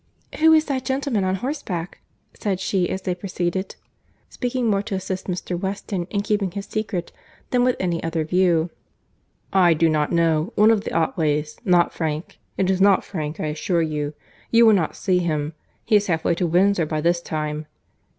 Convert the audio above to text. "Who is that gentleman on horseback?" said she, as they proceeded—speaking more to assist Mr. Weston in keeping his secret, than with any other view. "I do not know.—One of the Otways.—Not Frank;—it is not Frank, I assure you. You will not see him. He is half way to Windsor by this time."